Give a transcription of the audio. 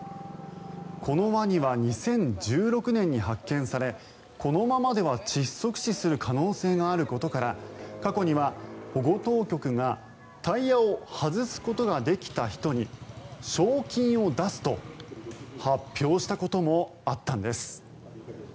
このワニは２０１６年に発見されこのままでは窒息死する可能性があることから過去には保護当局がタイヤを外すことができた人に賞金を出すと発表したこともあったんです。